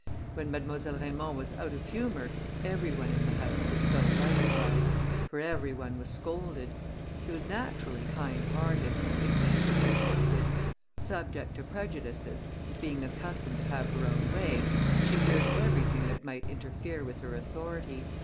When Mademoiselle Raymond was out of humour, every one in the house was so likewise, for every one was scolded. She was naturally kind hearted, but easily offended. Subject to prejudices, and being accustomed to have her own way, she feared everything that might interfere with her authority.